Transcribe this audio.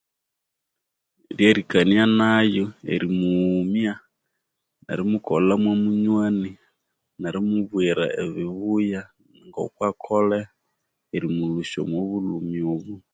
Lyerikania nayo erimughumya erimukolha mwamunywani nerimubwira ebibuya ngokwakolhe erimulhusya omwabulhumi obu.